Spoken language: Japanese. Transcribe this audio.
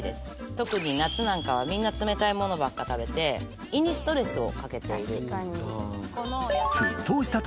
特に夏なんかはみんな冷たいものばっか食べて胃にストレスをかけている。